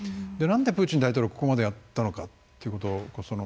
でなんでプーチン大統領ここまでやったのかということ。